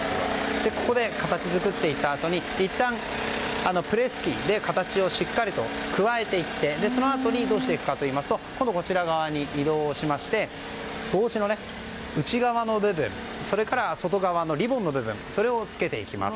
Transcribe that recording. ここで、形作っていったあとにいったん、プレス機で形をしっかりと加えていってそのあとにどうしていくかというとこちら側に移動しまして帽子の内側の部分それから外側のリボンの部分それをつけていきます。